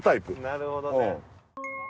なるほどね。